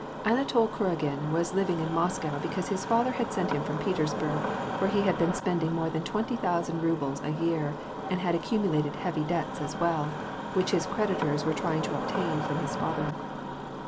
Akatol Kuragin was living in Moscow because his father had sent him from Petersburg, where he had been spending more than twenty thousand rubles a year, and had accumu lated heavy debts as well, which his creditors were trying to obtain from his father.